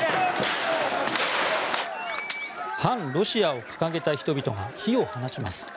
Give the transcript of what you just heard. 反ロシアを掲げた人々が火を放ちます。